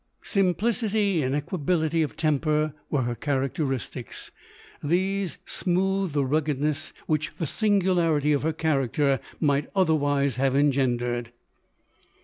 Sim plicity and equability of temper were her cha racteristics : these smoothed the ruggedness which the singularity of her character might otherwise have engendered.